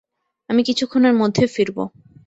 আমি কিছুক্ষণের মধ্যে ফিরবো।